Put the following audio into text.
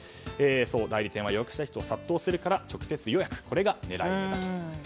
代理店は予約したい人が殺到するから直接予約が狙い目だと。